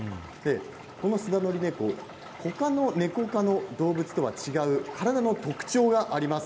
このスナドリネコ他のネコ科の動物とは違う体の特徴があります。